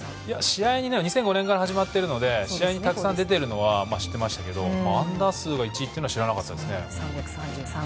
２００５年から始まっているので試合にたくさん出ているのは知っていますが安打数１位は知らなかったです。